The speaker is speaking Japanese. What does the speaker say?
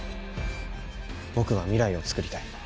僕は未来をつくりたい。